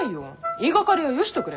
言いがかりはよしとくれ。